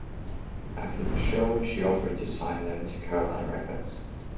After the show, she offered to sign them to Caroline Records.